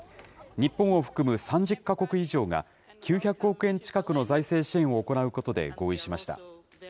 日本を含む３０か国以上が９００億円近くの財政支援を行うことで合意しました。